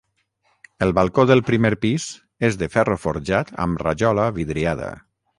El balcó del primer pis és de ferro forjat amb rajola vidriada.